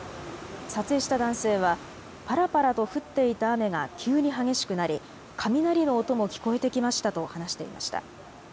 撮影した男性はぱらぱらと降っていた雨が急に激しくなり雷の音も聞こえてきましたと話していました。